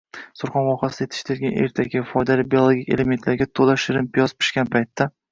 Surxon vohasida yetishtirilgan ertaki, foydali biologik elementlarga to‘la shirin piyoz pishgan paytda